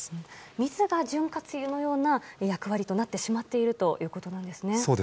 水が潤滑油のような役割となってしまっているということなんですね。